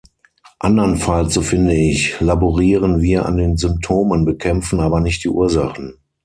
Andernfalls, so finde ich, laborieren wir an den Symptomen, bekämpfen aber nicht die Ursachen.